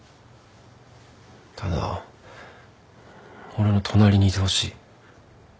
ただ俺の隣にいてほしい。